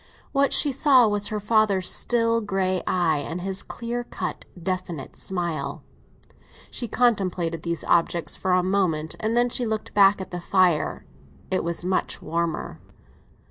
What she saw was her father's still grey eye and his clear cut, definite smile. She contemplated these objects for a moment, and then she looked back at the fire; it was much warmer.